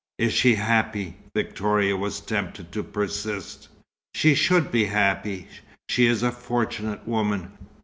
"Is she happy?" Victoria was tempted to persist. "She should be happy. She is a fortunate woman.